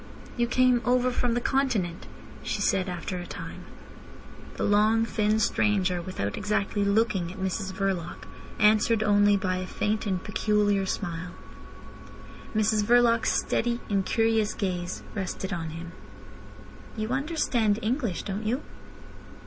"You came over from the Continent?" she said after a time. The long, thin stranger, without exactly looking at Mrs Verloc, answered only by a faint and peculiar smile. Mrs Verloc's steady, incurious gaze rested on him. "You understand English, don't you?"